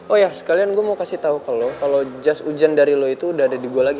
oh ya sekalian gue mau kasih tau kalau jas hujan dari lo itu udah ada di gua lagi